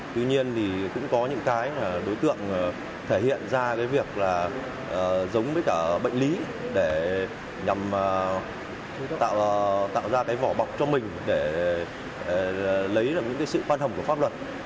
tuy nhiên cũng có những cái đối tượng thể hiện ra cái việc là giống với cả bệnh lý để nhằm tạo ra cái vỏ bọc cho mình để lấy được những cái sự phan thầm của pháp luật